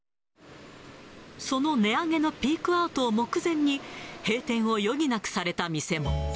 その値上げのピークアウトを目前に、閉店を余儀なくされた店も。